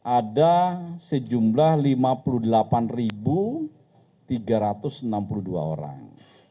ada sejumlah lima puluh delapan tiga ratus enam puluh dua orang